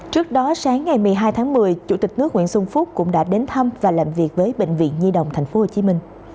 trước đó sáng ngày một mươi hai tháng một mươi chủ tịch nước nguyễn xuân phúc cũng đã đến thăm và làm việc với bệnh viện nhi đồng tp hcm